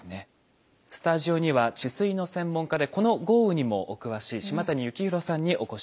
スタジオには治水の専門家でこの豪雨にもお詳しい島谷幸宏さんにお越し頂きました。